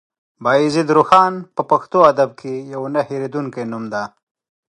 بايزيد روښان په پښتو ادب کې يو نه هېرېدونکی نوم دی.